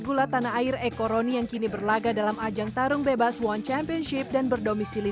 gula tanah air ekoroni yang kini berlaga dalam ajang tarung bebas one championship dan berdomisili